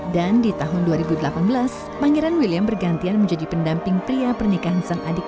dan di tahun dua ribu delapan belas pangeran william bergantian menjadi pendamping pria pernikahan sang adik